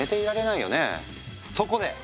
そこで！